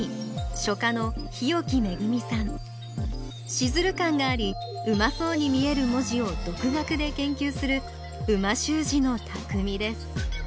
シズル感がありうまそうに見える文字を独学で研究する美味しゅう字のたくみです